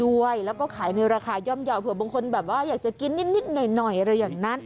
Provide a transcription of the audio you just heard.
ด้วยแล้วก็ขายในราคาย่อมเยาว์เผื่อบางคนแบบว่าอยากจะกินนิดหน่อยอะไรอย่างนั้น